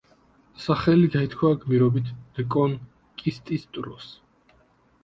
სახელი გაითქვა გმირობით რეკონკისტის დროს.